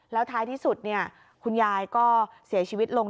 แล้วท้ายที่สุดคุณยายก็เสียชีวิตลง